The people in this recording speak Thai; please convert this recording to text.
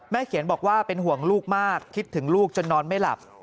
เขียนบอกว่าเป็นห่วงลูกมากคิดถึงลูกจนนอนไม่หลับ